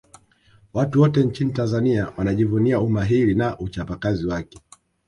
watu wote nchini tanzania wanajivunia umahili na uchapakazi wake